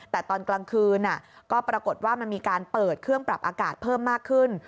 แต่ตอนกลางคืนก็ปรากฏว่ามันมีการเปิดเครื่องปรับอากาศเพิ่มมากขึ้น